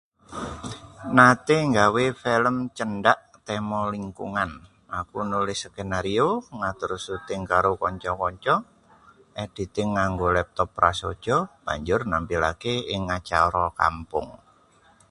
Nate nggawe film cendhak tema lingkungan. Aku nulis skenario, ngatur syuting karo kanca-kanca, editing nganggo laptop prasaja, banjur nampilake ing acara kampung.